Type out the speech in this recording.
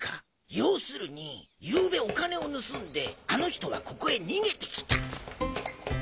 よするにゆうべお金を盗んであの人がここへ逃げて来た。